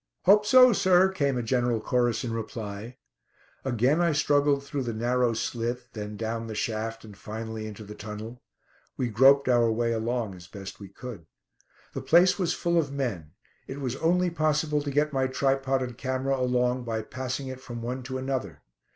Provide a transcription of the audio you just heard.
"Hope so, sir," came a general chorus in reply. Again I struggled through the narrow slit, then down the shaft and finally into the tunnel. We groped our way along as best we could. The place was full of men. It was only possible to get my tripod and camera along by passing it from one to another.